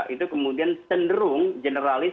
itu kemudian cenderung generalis